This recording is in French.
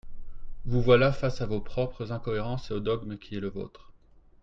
Vous voilà face à vos propres incohérences et au dogme qui est le vôtre.